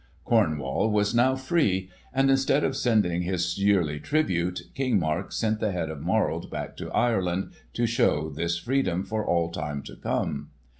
Cornwall was now free, and instead of sending his yearly tribute, King Mark sent the head of Morold back to Ireland to show this freedom for all time to come.